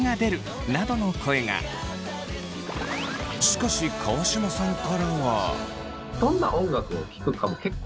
しかし川島さんからは。